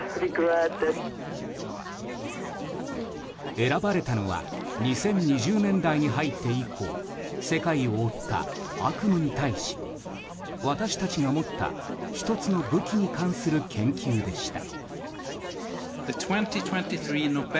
選ばれたのは２０２０年代に入って以降世界を覆った悪夢に対し私たちが持った１つの武器に関する研究でした。